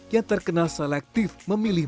yang terkenal selektif memilih